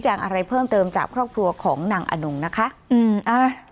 จากอะไรเพิ่งเติมจากครอบครัวของนางก็นะคะ้ืออ่ะ